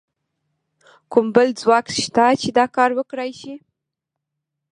کوم بل ځواک شته چې دا کار وکړای شي؟